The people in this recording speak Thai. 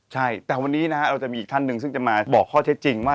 ใช่แต่วันนี้นะฮะเราจะมีอีกท่านหนึ่งซึ่งจะมาบอกข้อเท็จจริงว่า